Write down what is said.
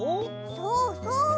そうそう。